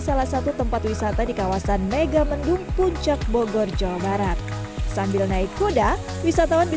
salah satu tempat wisata di kawasan megamendung puncak bogor jawa barat sambil naik kuda wisatawan di